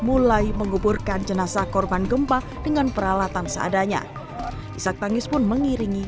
mulai menguburkan jenazah korban gempa dengan peralatan seadanya isak tangis pun mengiringi